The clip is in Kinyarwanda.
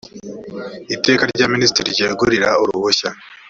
iteka rya minisitiri ryegurira uruhushya